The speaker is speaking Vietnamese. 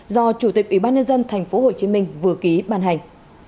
do chủ tịch ủy ban nhân dân tp hcm vừa ký ban hành